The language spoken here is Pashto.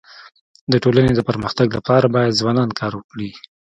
د ټولني د پرمختګ لپاره باید ځوانان کار وکړي.